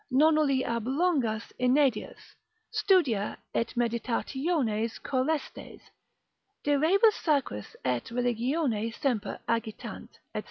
Nonnulli ob longas inedias, studia et meditationes coelestes, de rebus sacris et religione semper agitant, &c.